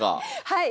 はい。